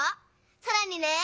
さらにね！